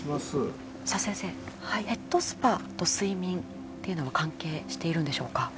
先生ヘッドスパと睡眠というのは関係しているんでしょうか。